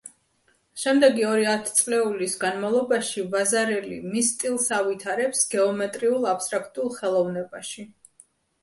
შემდეგი ორი ათწლეულის განმავლობაში ვაზარელი მის სტილს ავითარებს გეომეტრიულ აბსტრაქტულ ხელოვნებაში.